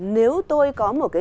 nếu tôi có một cái